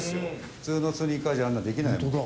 普通のスニーカーじゃあんなできないもん。